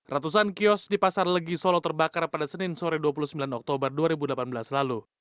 ratusan kios di pasar legi solo terbakar pada senin sore dua puluh sembilan oktober dua ribu delapan belas lalu